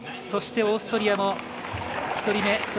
オーストリアも１人目。